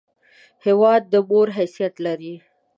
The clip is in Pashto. هېواد د مور حیثیت لري!